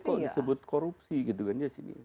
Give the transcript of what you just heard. kok disebut korupsi gitu kan ya sini